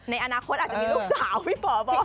ในอนาคตอาจจะมีลูกสาวพี่ป๋อบอก